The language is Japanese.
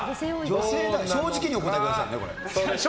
正直にお答えくださいね。